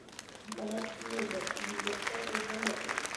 په لار کې یو بزګر اوبه لګوي.